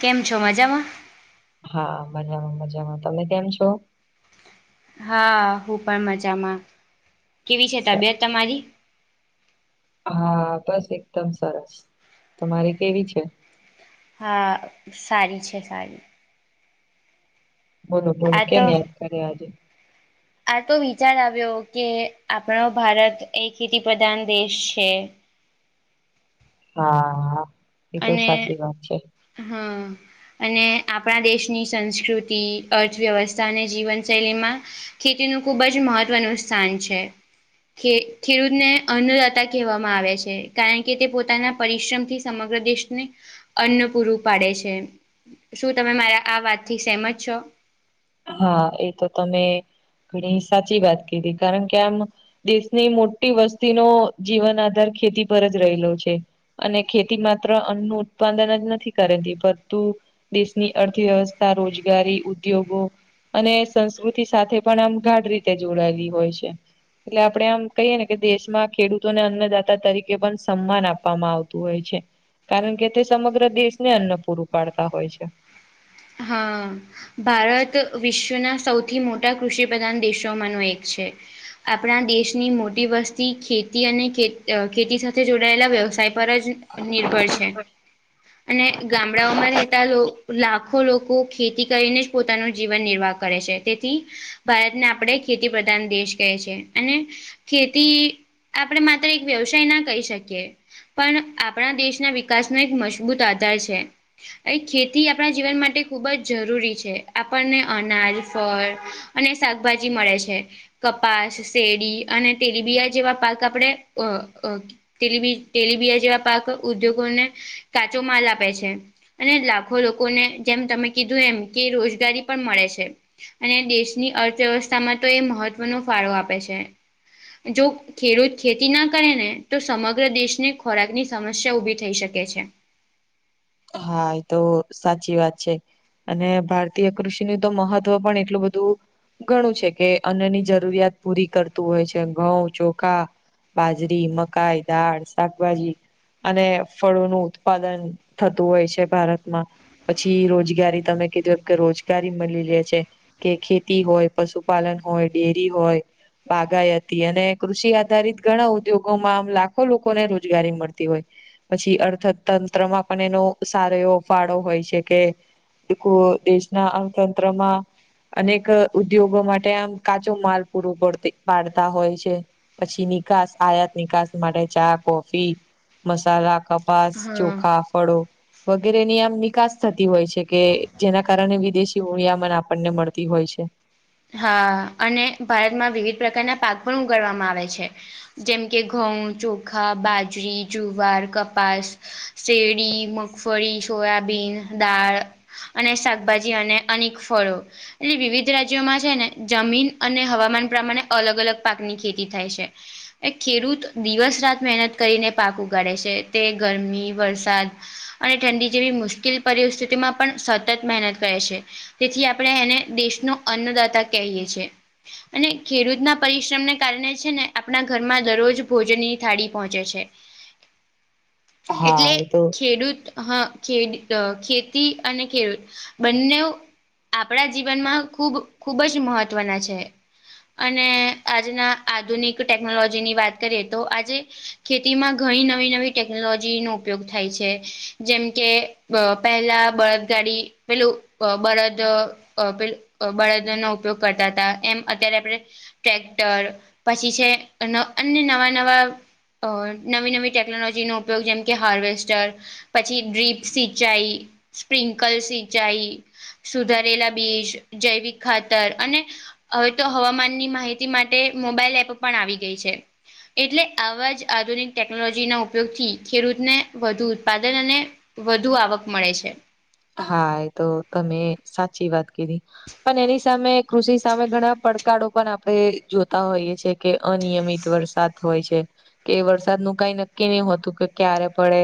કેમ છો મજામાં. હા મજામાં મજામાં તમે કેમ છો. હા હું પણ મજામાં કેવી છે સ- તબિયત તમારી હા બસ એકદમ સરસ તમારી કેવી છે. હા સારી છે સારી. બોલો બોલો આ કેમ તો યાદ કર્યા આજે. આ તો વિચાર આવ્યો કે આપણો ભારત એ ખેતી પ્રધાન દેશ છે. હા હા એતો સાચી વાત છે. હમ. અને આપણા દેશની સંસ્કૃતિ અર્થવ્યવસ્થા અને જીવનશૈલીમાં ખેતીનું ખુબ જ મહત્વનું સ્થાન છે. ખે ખેડૂતને અન્નદાતા કહેવામાં આવે છે કારણ કે તે પોતાના પરિશ્રમ થી સમગ પ્રદેશને અન્ન પૂરું પાડે છે. શું તમે મારા આ વાતથી સહેમજ છો. હા એ તો તમે ઘણી સાચી વાત કીધી કારણ કે આમ દેશની મોટી વસ્તીનો જીવન આધાર ખેતી પર જ રહેલો છે. અને ખેતી માત્ર અન્નનું ઉત્પાદન જ નથી કરેતી પરંતુ દેશની અર્થવ્યવસ્થા રોજગારી ઉદ્યોગો અને સંસ્કૃતિ સાથે પણ આમ ગાઢ રીતે જોડાયેલી હોય છે. એટલે આપડે આમ કહીએ ને કે દેશમાં ખેડૂતોને અન્નદાતા તરીકે પણ સન્માન આપવામાં આવતું હોય છે. કારણ કે તે સમગ્ર દેશ ને અન્ન પૂરું પાડતા હોય છે. હા. ભારત વિશ્વના સૌથી મોટા કૃષિ પ્રધાન દેશોમાં ન એક છે. આપણા દેશની મોટી વસ્તી ખેતી અને ખેતી સાથે જોડાયેલા વ્યવસાય પર જ નિર્ભર છે અને ગામડાઓમાં રહેતા લોક લાખ લાખો લોકો ખેતી કરીને જ પોતાનું જીવન નિર્વાહ કરે છે તેથી ભારતને આપણે ખેતી પ્રધાન દેશ કહે છે અને ખેતી આપણેે માત્ર એક વ્યવસાય ના કહી શકીએ. પણ આપણા દેશના વિકાસનો એક મજબૂત આધાર છે અ ખેતી આપણા જીવન માટે ખૂબ જ જરૂરી છે આપણને અનાજ ફળ અને શાકભાજી મળે છે. કપાસ શેડી અને તેલીબિયા જેવા પાક આપણે અ તેલબી તેલીબિયા જેવા પાક ઉદ્યોગ ને કાચો માલ આપે છે અને લાખો લોકો લોકોને જેમ તમે કીધું એમ કે રોજગારી પણ મળે છે. અને દેશની અર્થવ્યવસ્થામાં તો એ મહત્વનો ફાળો આપે છે જો ખેડૂત ખેતી ના કરે ને તો સમગ્ર દેશને ખોરાકની સમસ્યા ઉભી થઈ શકે છે. હા એ તો સાચી વાત છે. અને ભારતીય કૃષિનું તો મહત્વ પણ એટલું બધું ઘણું છે કે અનની જરૂરિયાત પૂરી કરતું હોય છે ઘઉં ચોખા બાજરી મકાઈ દાળ શાકભાજી અને ફળોનું ઉત્પાદન થતું હોય છે ભારતમાં પછી રોજગારી તમે કીધું એમ કે રોજગારી મલી લે છે. કે ખેતી હોય, પશુપાલન હોય, ડેરી હોય. બાગાયતી અને કૃષિ આધારિત ઘણા ઉદ્યોગોમાં આમ લાખો લોકોને રોજગારી મળતી હોય. પછી અર્થતંત્રમાં પણ એનો સારો એવો ફાળો હોય છે કે એકો દેશના અર્થતંત્રમાં અનેક ઉદ્યોગો માટે આમ કાચો માલ પૂરો પડતે પાડતા હોય છે. પછી નિકાસ આયાત નિકાસ માટે ચા કોફી મસાલા કપ પાસ હા ચોખા ફળો વગેરે ની આમ નિકાસ થતી હોય છે કે જેના કારણે વિદેશી ઉળિયામન આપણને મળતી હોય છે. હા અને ભારતમાં વિવિધ પ્રકારના પાક પણ ઉગાડવામાં આવે છે. જેમ કે ઘઉં, ચોખા, બાજરી, જુવાર, કપાસ શેડી, મગફળી, સોયાબીન, દાળ અને શાકભાજી અને અનેક ફળો એલે વિવિધ રાજ્ જ્ય માં છે ને જમીન અને હવામાન પ્રમાણે અલગ અલગ પાકની ખેતી થાય છે. એ ખેડૂત દિવસ રાત મહેનત કરીને પાક ઉગાડે છે તે ગરમી વરસાદ અને ઠંડી જેવી મુશ્કીલ પરિસ્થિતિમાં પણ સતત મહેનત કરે છે. તેથી આપણે એને દેશનો અન્નદાતા કહીએ છીએ. અને ખેડૂતના પરિશ્રમને કારણે છે ને આપણા ઘરમાં દરરોજ ભોજનની થાડી પહોંચે છે. હા એટલે એ તો ખેડૂત હ ખેડ અ ખેતી અને ખેડૂત બંનેઓ આપણા જીવનમાં ખૂબ ખુબ જ મહત્વના છે. અને આજના આધુનિક ટેકનોલોજીની વાત કરીએ તો આજે ખેતીમાં ઘણી નવી નવી ટેકનોલોજી નો ઉપયોગ થાય છે જેમ કે અ પહેલા બળદગાડી પેલું બળદ અ પેલું બળદો નો ઉપયોગ કરતા હતા એમ અત્યારે આપણે ટ્રેક્ટર પછી છે અન અન્ય નવા નવા અ નવી નવી ટેકનોલોજીનો ઉપયોગ જેમ કે હાર્વેસ્ટર પછી ડ્રીપ સિંચાઈ સ્પ્રિંકલ સિંચાઈ સુધારેલા બીજ જૈવિક ખાતર અને હવે તો હવામાનની માહિતી માટે મોબાઈલ એપ પણ આવી ગઈ છે. એટલે આવા જ આધુનિક ટેકનોલોજીના ઉપયોગથી ખેડૂતને વધુ ઉત્પાદન અને વધુ આવક મળે છે. હા એ તો તમે સાચી વાત કીધી. પણ એની સામે કૃષિ સામે ઘણા પડકારો પણ આપણે જોતા હોઈએ છે કે અનિયમિત વરસાદ હોય છે. કે વરસાદ નું કઈ નક્કી નહિ હોતું કે ક્યારે પડે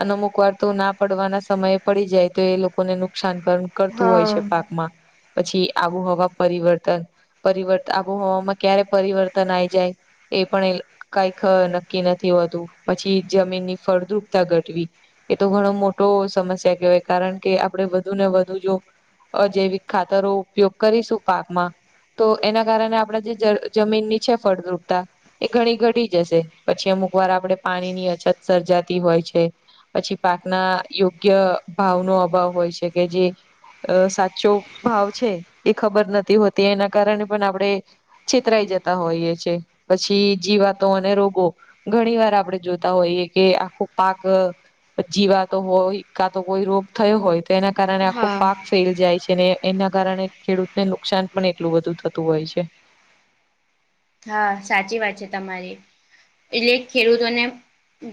અને અમુક વાર તો ના પડવાના સમયે પડી જાય. તો એ લોકોને નુકસાન કર કરતું હોય હા છે પાકમાં પછી આવુહવા પરિવર્તન પરિવર્ત આબોહવામાં ક્યારે પરિવર્તન આઈ જાય એ પણ કઈક નક્કી નથી હોતું, પછી જમીનની ફળદ્રુપતા ઘટવી એ તો ઘણો મોટો સમસ્યા કહેવાય કારણ કે આપડે વધુ ને વધુ જો અજૈવિક ખાતરો ઉપયોગ કરીશું પાકમાં તો એના કારણે આપણે જે જમીનની છે ફળદ્રુપતા એ ઘણી ઘટી જશે પછી અમુક વાર આપડે પાણી ની અછત સર્જાતી હોય છે. પછી પાકના યોગ્ય ભાવનો અભાવ હોય છે કે જે અ સાચો ભાવ છે એ ખબર નથી હોતી એના કારણે પણ આપડે છેતરાઈ જતા હોઈએ છે પછી જીવાતો અને રોગો ઘણી વાર આપડે જોતા હોઈએ કે આખો પાક જીવાતો હોય કાક. તો કોઈ રોગ થયો હોય તો એના કારણે આખો હા પાક ફેલ જાય છે ને એના કારણે ખેડૂતને નુકસાન પણ એટલું બધું થતું હોય છે. હા સાચી વાત છે તમારી એટલે ખેડૂતોને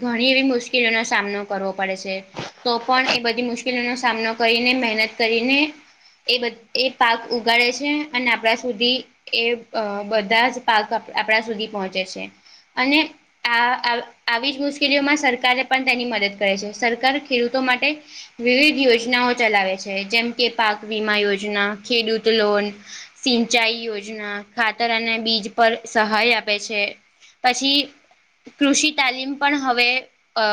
ઘણી એવી મુશ્કેલીનો સામનો કરવો પડે છે- તો પણ એ બધી મુશ્કેલીનો સામનો કરીને મહેનત કરીને એ બ એ પાક ઉગાડે છે અને આપણા સુધી એ અ બધા જ પાક આપ આપણા સુધી પહોંચે છે અને આ અ આવી જ મુશ્કેલીઓમાં સરકારે પણ તેની મદદ કરે છે સરકાર ખેડૂતો માટે વિવિધ યોજનાઓ ચલાવે છે જેમ કે પાક વીમા યોજના ખેડૂત લોન સિંચાઈ યોજના ખાતર અને બીજ પર સહાય આપે છે પછી કૃષિ તાલીમ પણ હવે અ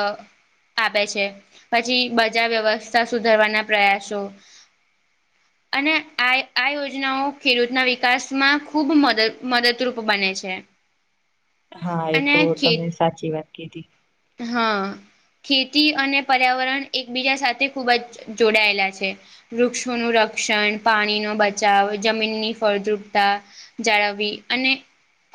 આપે છે પછી બજાર વ્યવસ્થા સુધારવાના પ્રયાસો અને આ આ યોજનાઓ ખેડૂતના વિકાસમાં ખૂબ મદ મદદરૂપ બને છે. હા એ અને તો ખેત તમે સાચી વાત કીધી. હા. ખેતી અને પર્યાવરણ એકબીજા સાથે ખૂબ જ જોડાયેલા છે. વૃક્ષોનું રક્ષણ પાણીનો બચાવ જમીનની ફળદ્રુપતા- જાળવી અને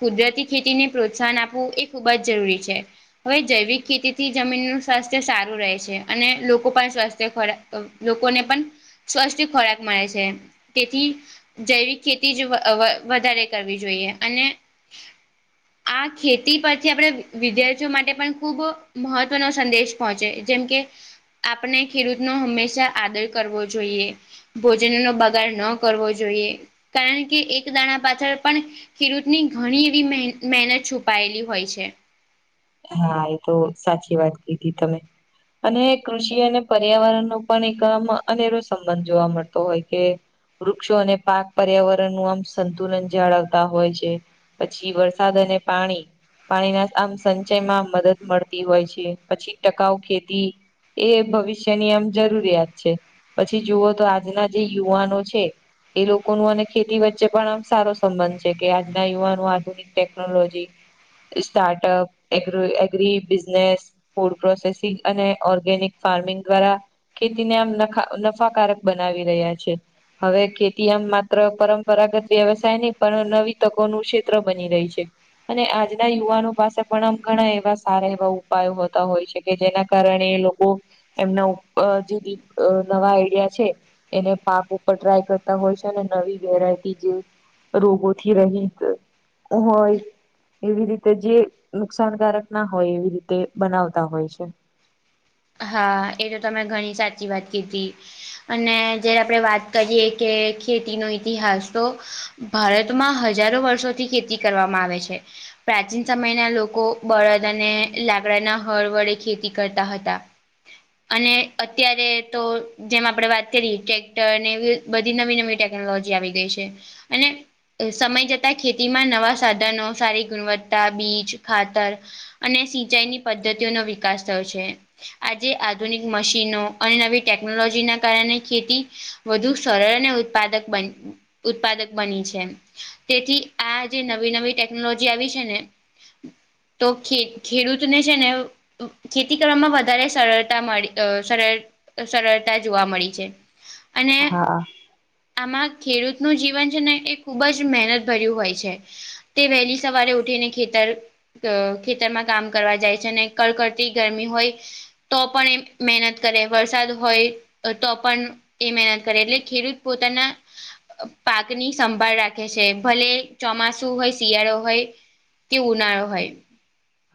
કુદરતી ખેતીને પ્રોત્સાહન આપવું એ ખૂબ જ જરૂરી છે. હવે જૈવિક ખેતી થી જમીનનું સ્વાસ્થ્ય સારું રહે છે અને લોકો પણ સ્વાસ્થ્ય ખરા અ લોકોને પણ સ્વસ્થ ખોરાક મળે છે તેથી જૈવિ ખેતી જ વ વ વધારે કરવી જોઈએ અને આ ખેતી પરથી આપણે વિદ્યાર્થીઓ માટે પણ ખૂબ મહત્વનો સંદેશ પહોંચે જેમ કે આપણે ખેડૂતનો હંમેશા આદર કરવો જોઈએ ભોજન નો બગાડ ન કરવો જોઈએ કારણ કે એક દાણા પાછળ પણ ખેડૂત ની ઘણી એવી મહે મેહનત છુપાયેલી હોય છે. હા એ તો સાચી વાત કીધી તમે. અને કૃષિ અને પર્યાવરણનો પણ એક અમ અનેરો સંબંધ જોવા મળતો હોય કે વૃક્ષો અને પાક પર્યાવરણ નું આમ સંતુલન જાળવતા હોય છે. પછી વરસાદ અને પાણી પાણીના આમ સંચયમાં મદદ મળતી હોય છે પછી ટકાઉ ખેતી એ ભવિષ્યની આમ જરૂરિયાત છે પછી જોવો તો આજના જે યુવાનો છે. એ લોકોનું અને ખેતી વચ્ચે પણ આમ સારો સંબંધ છે કે આજના યુવાનો આધુનિક technology. Startup. Agro agri business food processing અને ઓર્ગેનિક ફાર્મિંગ દ્વારા. ખેતીને આમ ના નખા નફાકારક બનાવી રહ્યા છે. હવે ખેતી આમ માત્ર પરંપરાગત વ્યવસાય નહી પણ નવી તકોનું ક્ષેત્ર બની રહી છે. અને આજના યુવાનો પાસે. પણ ઘણા એવા સારા એવા ઉપાયો હોતા હોય છે કે જેના કારણે લોકો. એમના ઉપર જેતે અ નવા આઈડિયા છે. એને પાક ઉપર ટ્રાય કરતા હોય છે અને નવી વેરાયટી જે. રોગોથી રહિત હોય એવી રીતે જે. નુકસાનકારક ના હોય એવી રીતે બનાવતા હોય છે. હા એ તો તમે ઘણી સાચી વાત કીધી. અને જયારે આપણે વાત કરીએ કે ખેતીનો ઇતિહાસ તો. ભારતમાં હજારો વર્ષોથી ખેતી કરવામાં આવે છે. પ્રાચીન સમયના લોકો બળદ અને લાકડાના હળ વડે ખેતી કરતા હતા. અને અત્યારે તો જેમ આપણે વાત કરીએ ટ્રેક્ટરને એવી બધી નવી નવી ટેકનોલોજી આવી ગઈ છે. અને એ સમય જતા ખેતીમાં નવા સાધનો, સારી ગુણવત્તા, બીજ, ખાતર. અને સિંચાઈની પદ્ધતિઓનો વિકાસ થયો છે. આજે આધુનિક મશીનો અને નવી ટેકનોલોજીના કારણે ખેતી વધુ સરળ અને ઉત્પાદક બન ઉત્પાદક બની છે એમ. તેથી આ જે નવી નવી ટેકનોલોજી આવી છે ને. તો ખે ખેડૂતને છે, ને ખેતી કરવામાં વધ વધારે સરળતા મળી અ સરેડ સરળતા જોવા મળી છે. અને હા આમાં ખેડૂતનું જીવન છે ને એ ખુબ જ મહેનતભર્યું હોય છે. તે વહેલી સવારે ઉઠીને ખેતર અ ખેતરમાં કામ કરવા જાય છે અને કડકડતી ગરમી હોય. તો પણ એમ મહેનત કરે વરસાદ હોય. તો પન એ મહેનત કરે, એટલે ખેડૂત પોતાના પાકની સંભાળ રાખે છે. ભલે ચોમાસું હોય, શિયાળો હોય. કે ઉનાળો હોય.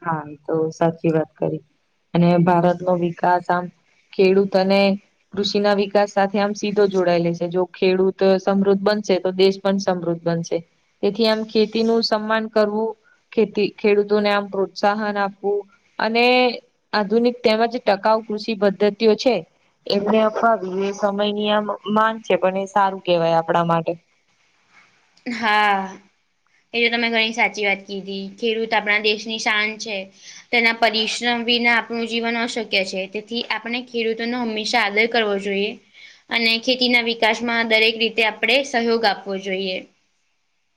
હા એતો સાચી વાત કરી. અને ભારતનો વિકાસ આમ ખેડૂત અને કૃષિના વિકાસ સાથે આમ સીધો જોડાયેલે છે. જો ખેડૂત સમૃદ્ધ બનશે તો દેશ પણ સમૃદ્ધ બનશે. તેથી આમ ખેતીનું સમ્માન કરવું ખેતી ખેડૂતોને આમ પ્રો પ્રોત્સાહન આપવું અને આધુનિક તેમજ ટકાઉ કૃષિ પદ્ધતિઓ છે. એમને અપાવી એ સમયની આમ માન છે. પણ એ સારું કેવાય આપણા માટે. હા એ તમે ઘણી સાચી વાત કીધી. ખેડૂત આપણા દેશની શાન છે. તેના પરિશ્રમ વિના આપણું જીવન અશક્ય છે. તેથી આપણે ખેડૂતોનો હંમેશા આદર કરવો જોઈએ. અને ખેતીના વિકાસમાં દરેક રીતે આપણે સહયોગ આપવો જોઈએ.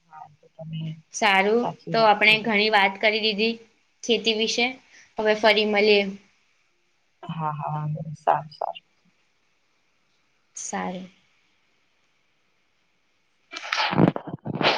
હા તો તમે સારું સાચી તો વાત આપણે કીધી. ઘણી વાત કરી દીધી ખેતી વિશે હવે ફરી મલીએ. હા હા સારું સારું. સારું. [inaudible]